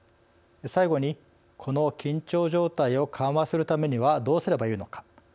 最後に、この緊張状態を緩和するためにはどうすればよいのか。